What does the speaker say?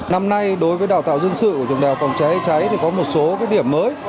năm nay đối với đào tạo dân sự của trường đại học phòng cháy cháy thì có một số điểm mới